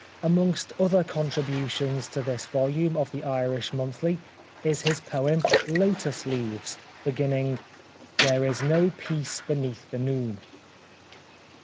Amongst other contributions to this volume of The Irish Monthly is his poem " Lotus Leaves," beginning :" There is no peace beneath the noon."